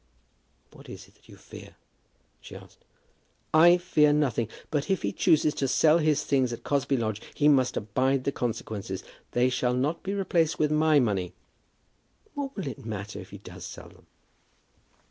"What is it that you fear?" she asked. "I fear nothing. But if he chooses to sell his things at Cosby Lodge he must abide the consequences. They shall not be replaced with my money." "What will it matter if he does sell them?"